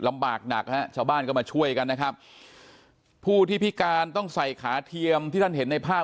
หนักฮะชาวบ้านก็มาช่วยกันนะครับผู้ที่พิการต้องใส่ขาเทียมที่ท่านเห็นในภาพ